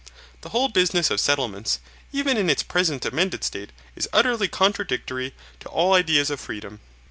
The whole business of settlements, even in its present amended state, is utterly contradictory to all ideas of freedom.